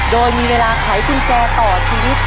โดยมีเวลาไขกุญแจต่อชีวิต